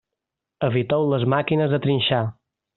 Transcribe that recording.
Eviteu les màquines de trinxar.